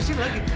di tim kita